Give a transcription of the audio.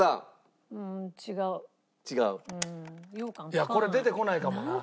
いやこれ出てこないかもな。